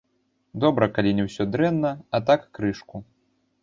Добра, калі не ўсё дрэнна, а так, крышку.